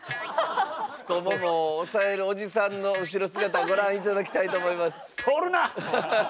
太ももを押さえるおじさんの後ろ姿をご覧頂きたいと思います。